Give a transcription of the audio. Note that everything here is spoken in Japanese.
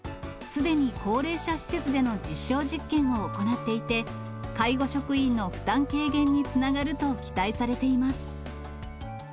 すでに高齢者施設での実証実験を行っていて、介護職員の負担軽減につながると期待されています。